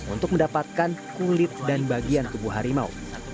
untuk mendapatkan kulit dan bagian tubuh harimau